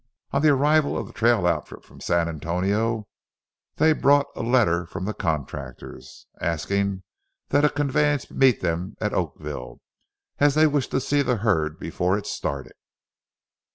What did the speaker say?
On the arrival of the trail outfit from San Antonio, they brought a letter from the contractors, asking that a conveyance meet them at Oakville, as they wished to see the herd before it started.